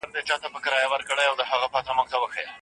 افغان شاګردان د وینا بشپړه ازادي نه لري.